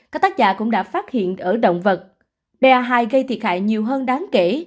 các tác giả cũng đã phát hiện ở động vật ba hai gây thiệt hại nhiều hơn đáng kể